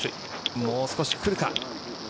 もう少し来るか？